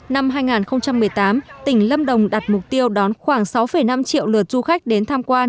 năm hai nghìn một mươi tám tỉnh lâm đồng đặt mục tiêu đón khoảng sáu năm triệu lượt du khách đến tham quan